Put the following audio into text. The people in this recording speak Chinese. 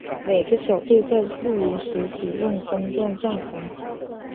每个小队在露营时使用钟状帐篷。